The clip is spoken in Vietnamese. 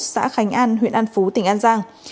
xã khánh an huyện an phú tỉnh an giang